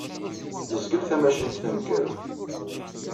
Yezgel tamacint taneggarut.